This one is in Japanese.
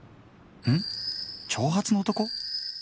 ン長髪の男？